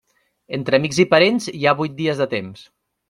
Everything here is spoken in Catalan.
Entre amics i parents, hi ha vuit dies de temps.